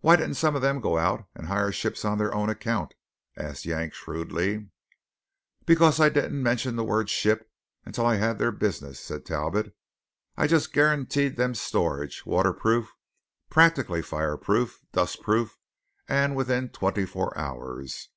"Why didn't some of them go out and hire ships on their own account?" asked Yank shrewdly. "Because I didn't mention the word 'ship' until I had their business," said Talbot. "I just guaranteed them storage, waterproof, practically fireproof, dustproof, and within twenty four hours.